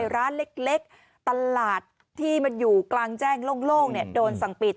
ร้านเล็กตลาดที่มันอยู่กลางแจ้งโล่งโดนสั่งปิด